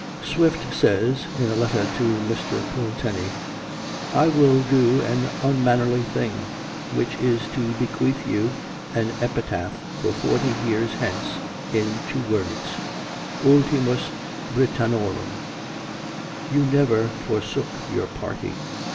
Swift says, in a letter to Mr. Pulteney: "I will do an unmannerly thing, which is to bequeath you an epitaph for forty years hence, in two words, ultimus Britannorum. You never forsook your party.